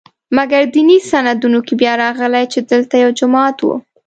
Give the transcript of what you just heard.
مګر دیني سندونو کې بیا راغلي چې دلته یو جومات و.